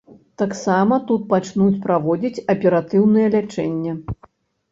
Таксама тут пачнуць праводзіць аператыўнае лячэнне.